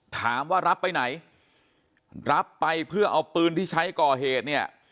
ถามว่ารับไปไหนรับไปเพื่อเอาปืนที่ใช้ก่อเหตุเนี่ย